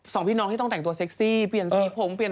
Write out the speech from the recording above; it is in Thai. สองพี่น้องที่ต้องแต่งตัวเซ็กซี่เปลี่ยนสีผมเปลี่ยน